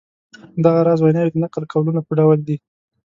دغه راز ویناوی د نقل قولونو په ډول دي.